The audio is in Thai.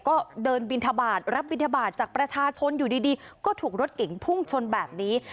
ก็เดินบินทบาทรับบินทบาทจากประชาชนอยู่ดีก็ถูกรถเก๋งพุ่งชนแบบนี้